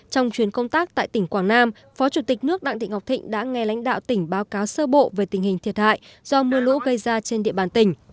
trong chuyến công tác tại tỉnh quảng nam phó chủ tịch nước đặng thị ngọc thịnh đã nghe lãnh đạo tỉnh báo cáo sơ bộ về tình hình thiệt hại do mưa lũ gây ra trên địa bàn tỉnh